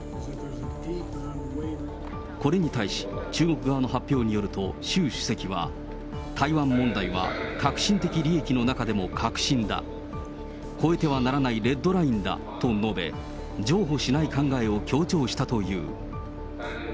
これに対し、中国側の発表によると、習主席は台湾問題は核心的利益の中でも核心だ、越えてはならないレッドラインだなどと述べ、譲歩しない考えを強調したという。